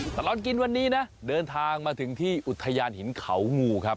ตลอดกินวันนี้นะเดินทางมาถึงที่อุทยานหินเขางูครับ